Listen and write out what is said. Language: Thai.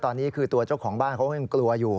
ตอนนี้คือตัวเจ้าของบ้านเขาก็ยังกลัวอยู่